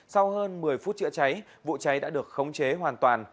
trong một mươi phút chữa cháy vụ cháy đã được khống chế hoàn toàn